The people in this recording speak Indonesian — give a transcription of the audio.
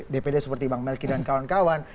dpd seperti bang melky dan kawan kawan